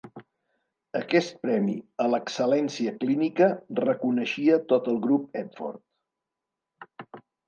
Aquest premi a l'excel·lència clínica reconeixia tot el grup Epworth.